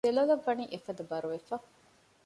ދެލޮލަށް ވަނީ އެފަދަ ބަރުވެފަ